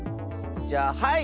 じゃあはい！